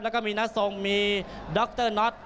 แล้วก็มีนัทศงฤทธิ์มีด๊อกเตอร์น็อต